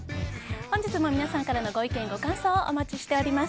本日も皆さんからのご意見、ご感想をお待ちしております。